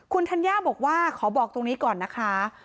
คุณธัญญาบอกว่าขอบอกตรงนี้ก่อนนะคะ